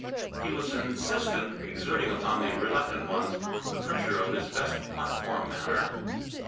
He was insistent, exerting upon the reluctant ones the pressure of his best platform manner.